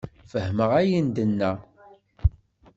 Fehmeɣ ayen d-tenna.